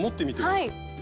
はい。